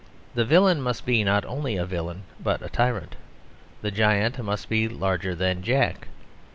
The villain must be not only a villain, but a tyrant. The giant must be larger than Jack.